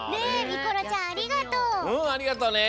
うんありがとね！